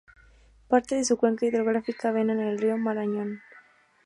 Parte de su cuenca hidrográfica avena en el río Marañón.